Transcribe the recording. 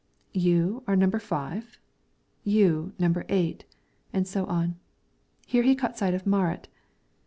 "You are number five; you number eight," and so on. Here he caught sight of Marit.